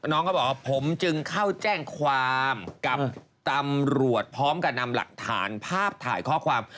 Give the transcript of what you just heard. น้องก็บอกว่าผมจึงเข้าแจ้งความกับตำรวจพร้อมกับนำหลักฐานภาพถ่ายข้อความ